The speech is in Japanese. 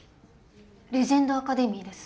レジェンドアカデミーです